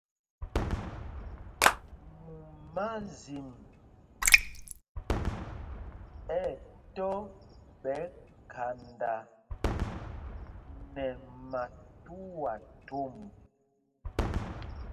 Mumázim ɛ̌ tɔ́ ɓɛ khanda nɛ matuá thom.